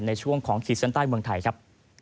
ในช่วงของขีดเส้นใต้เมืองไทยครับ